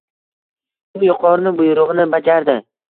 U yuqorini buyrug‘ini bajardi.